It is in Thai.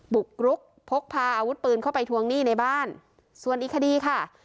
บุกรุกพกพาอาวุธปืนเข้าไปทวงหนี้ในบ้านส่วนอีกคดีค่ะ